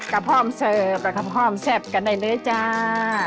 กระพ่อเซอร์ฟกระพ่อแซบกันฮะจ้า